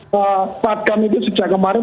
saat kami itu sejak kemarin